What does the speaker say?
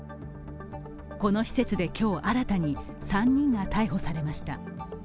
この施設で今日、新たに３人が逮捕されました。